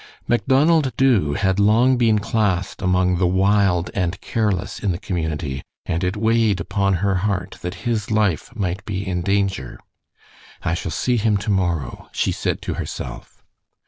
Macdonald Dubh had long been classed among the wild and careless in the community, and it weighed upon her heart that his life might be in danger. "I shall see him to morrow," she said to herself.